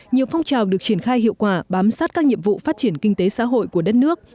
nhiều phong trào được triển khai hiệu quả bám sát các nhiệm vụ phát triển kinh tế xã hội của đất nước